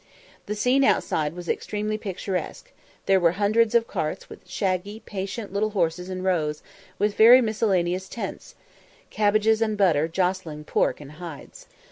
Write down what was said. The scene outside was extremely picturesque; there were hundreds of carts with shaggy, patient little horses in rows, with very miscellaneous tents cabbages and butter jostling pork and hides.